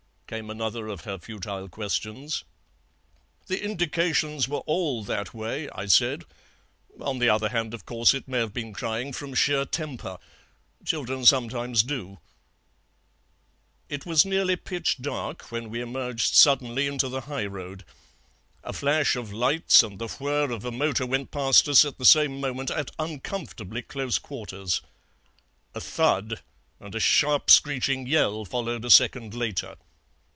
came another of her futile questions. "'The indications were all that way,' I said; 'on the other hand, of course, it may have been crying from sheer temper. Children sometimes do.' "It was nearly pitch dark when we emerged suddenly into the highroad. A flash of lights and the whir of a motor went past us at the same moment at uncomfortably close quarters. A thud and a sharp screeching yell followed a second later.